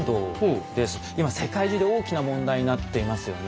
今世界中で大きな問題になっていますよね。